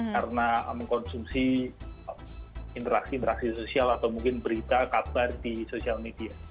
karena mengkonsumsi interaksi interaksi sosial atau mungkin berita kabar di sosial media